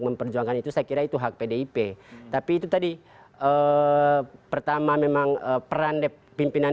memperjuangkan itu saya kira itu hak pdip tapi itu tadi pertama memang peran pimpinan